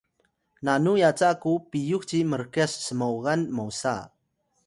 nanu yaca ku piyux ci mrkyas smoya mosa